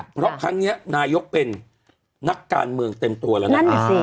เพราะครั้งนี้นายกเป็นนักการเมืองเต็มตัวแล้วนะฮะ